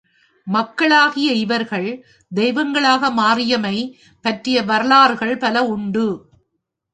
மக்களாகிய இவர்கள் தெய்வங்களாக மாறினமை பற்றிய வரலாறுகன் பல உண்டு.